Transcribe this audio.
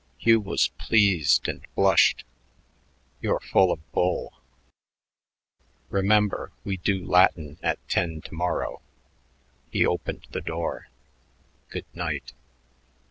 Hugh was pleased and blushed. "You're full of bull.... Remember, we do Latin at ten to morrow." He opened the door. "Good night."